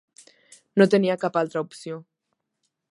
No tenia cap altra opció.